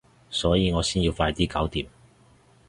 所以我先要快啲搞掂